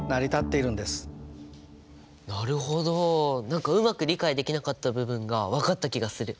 何かうまく理解できなかった部分が分かった気がする。